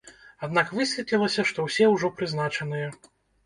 Аднак высветлілася, што ўсе ўжо прызначаныя!